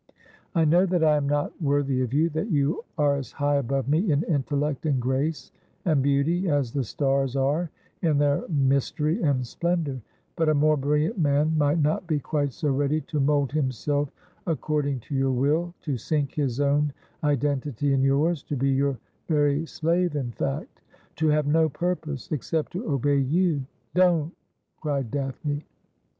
I know that I am not worthy of you, that you are as high above me in intellect, and grace, and beauty, as the stars are in their mystery and splendour ; but a more brilliant man might not be quite so ready to mould himself according to your will, to sink his own identity in yours, to be your very slave, in fact ; to have no purpose except to obey you.' ' Don't !' cried Daphne.